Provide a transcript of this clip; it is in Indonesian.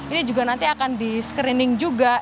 ini juga nanti akan di screening juga